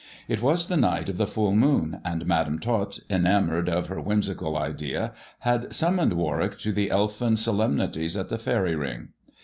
It was the night of the full moon, and Madam Tot, enamoured of her whimsical idea, had summoned Warwick to the elfin solemnities at the faery ring.